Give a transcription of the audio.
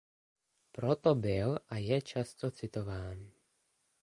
Proto byl a je často citován.